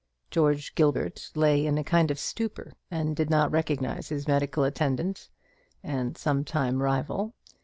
George Gilbert lay in a kind of stupor, and did not recognize his medical attendant, and sometime rival.